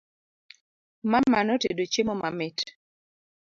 Mama notedo chiemo mamit